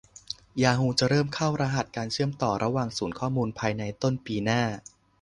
ยาฮูจะเริ่มเข้ารหัสการเชื่อมต่อระหว่างศูนย์ข้อมูลภายในต้นปีหน้า